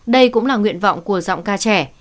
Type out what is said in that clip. đây cũng là nguyện vọng của giọng ca trẻ